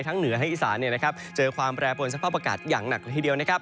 ทั้งเหนือให้อีสานเจอความแปลประวัติสภาพอากาศอย่างหนักทีเดียว